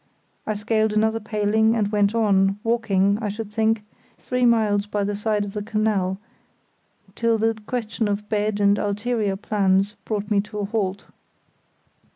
I scaled another paling and went on, walking, I should think, three miles by the side of the canal, till the question of bed and ulterior plans brought me to a halt.